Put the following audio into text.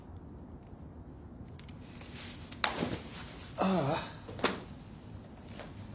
ああ。